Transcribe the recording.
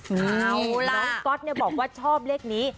เอาล่ะน้องก๊อตบอกว่าชอบเลขนี้